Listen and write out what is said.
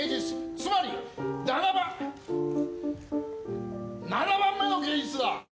つまり、７番目の芸術だ。